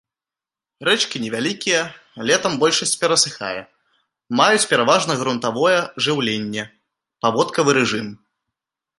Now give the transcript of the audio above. Рэчкі невялікія, летам большасць перасыхае, маюць пераважна грунтавое жыўленне, паводкавы рэжым.